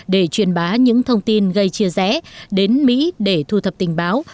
để truyền bá những thông tin gây chia rẽ đến mỹ để thu thập tình báo